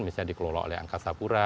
misalnya dikelola oleh angkasa pura